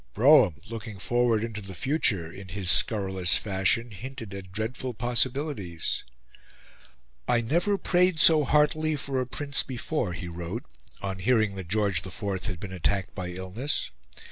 Brougham, looking forward into the future in his scurrilous fashion, hinted at dreadful possibilities. "I never prayed so heartily for a Prince before," he wrote, on hearing that George IV had been attacked by illness.